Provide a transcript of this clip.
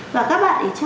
và các bạn ý cho